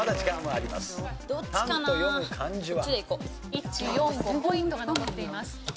１４５ポイントが残っています。